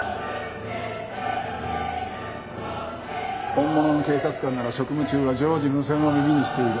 本物の警察官なら職務中は常時無線を耳にしている。